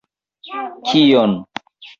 Kion!